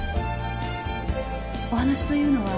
お話というのは？